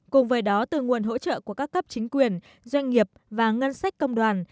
cùng với đó từ nguồn hỗ trợ của các cấp chính quyền doanh nghiệp và ngân sách công đoàn